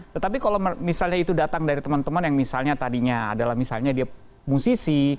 tetapi kalau misalnya itu datang dari teman teman yang misalnya tadinya adalah misalnya dia musisi